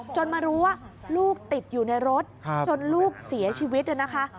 มารู้ว่าลูกติดอยู่ในรถจนลูกเสียชีวิตนะคะ